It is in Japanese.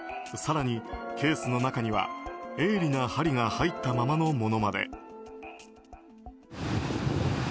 更に、ケースの中には鋭利な針が入ったままのものまで。